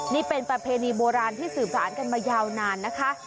นี่เป็นประเพณีโบราณที่สื่อสารกันมายาวนานนะคะ